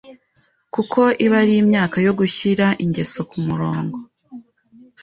kuko iba ari imyaka yo gushyira ingeso ku murongo,